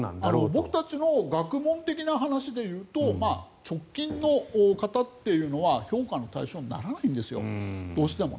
僕たちの学問的な話でいうと直近の方というのは評価の対象にならないんですよどうしても。